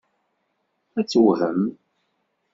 Ad tewhem.